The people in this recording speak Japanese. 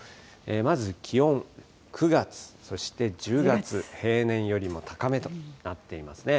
まず気温、９月、そして１０月、平年よりも高めとなっていますね。